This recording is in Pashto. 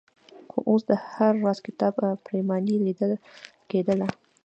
خو اوس د هر راز کتاب پرېماني لیدل کېدله.